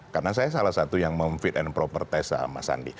karena saya salah satu yang memfit and propertise sama mas sandi